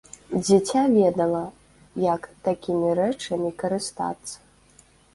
Дзіця ведала, як такімі рэчамі карыстацца.